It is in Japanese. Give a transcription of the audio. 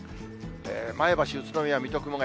前橋、宇都宮、水戸、熊谷。